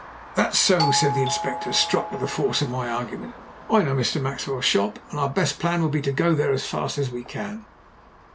"That's so," said the Inspector, struck with the force of my argument. "I know Mr. Maxwell's shop, and our best plan will be to go on there as fast as we can."